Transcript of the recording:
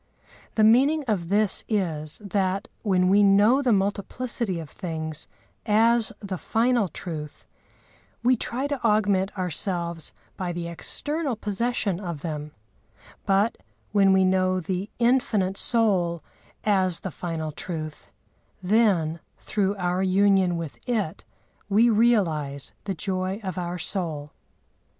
The meaning of this is, that, when we know the multiplicity of things as the final truth, we try to augment ourselves by the external possession of them; but, when we know the Infinite Soul as the final truth, then through our union with it we realise the joy of our soul.